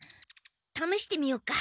ためしてみようか。